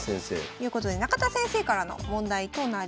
ということで中田先生からの問題となります。